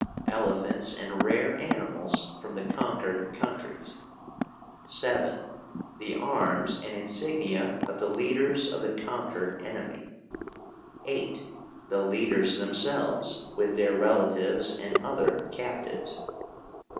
Elephants and rare animals from the conquered countries. 7. The arms and insignia of the leaders of the conquered enemy. 8. The leaders themselves, with their relatives and other captives.